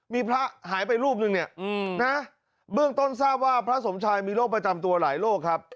มีพระหายไปรูปนึงเนี่ยนะเบื้องต้นทราบว่าพระสมชายมีโรคประจำตัวหลายโรคครับ